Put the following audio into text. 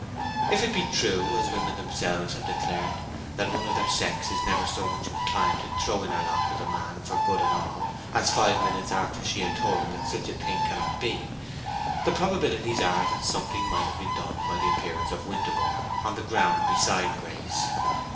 If it be true, as women themselves have declared, that one of their sex is never so much inclined to throw in her lot with a man for good and all as five minutes after she has told him such a thing cannot be, the probabilities are that something might have been done by the appearance of Winterborne on the ground beside Grace.